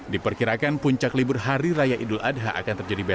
diperkirakan puncak libur hari raya idul adha akan terjadi besok